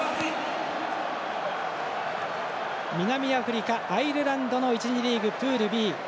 南アフリカ、アイルランドの１次リーグ、プールＢ。